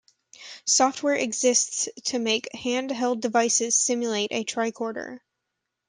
Software exists to make hand-held devices simulate a tricorder.